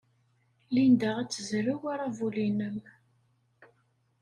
Linda ad tezrew aṛabul-nnem.